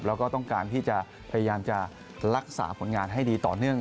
แล้วก็ต้องการที่จะพยายามจะรักษาผลงานให้ดีต่อเนื่อง